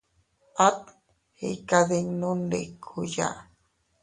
At iykaddinnundikuya.